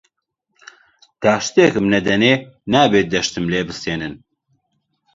تا شتێکم نەدەنێ نابێ دە شتم لێ بستێنن